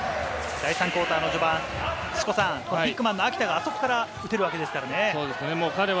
第３クオーターの序盤、ビッグマンの秋田があそこから打てるわけですからね、土子さん。